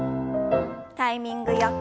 タイミングよく。